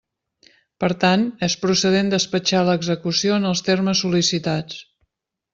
Per tant, és procedent despatxar l'execució en els termes sol·licitats.